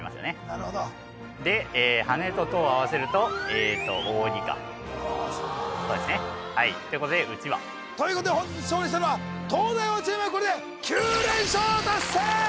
なるほどで「羽」と「戸」をあわせると「扇」かそうですねということで団扇ということで本日勝利したのは東大王チームこれで９連勝達成！